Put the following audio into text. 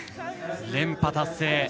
連覇達成。